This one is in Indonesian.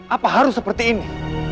apa harus seperti ini